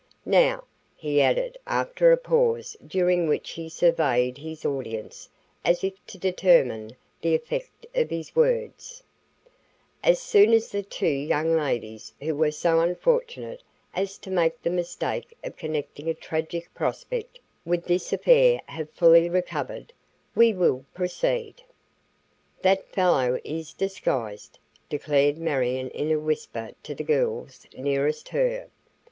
"Now," he added after a pause during which he surveyed his audience as if to determine the effect of his words; "as soon as the two young ladies who were so unfortunate as to make the mistake of connecting a tragic prospect with this affair have fully recovered, we will proceed." "That fellow is disguised," declared Marion in a whisper to the girls nearest her.